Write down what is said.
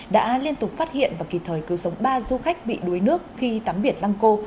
đã liên tục phát hiện và kịp thời cứu sống ba du khách bị đuối nước khi tắm biển lăng cô